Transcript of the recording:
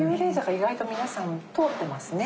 意外と皆さん通ってますね。